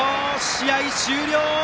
試合終了！